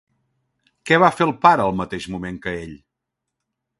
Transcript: Què va fer el pare al mateix moment que ell?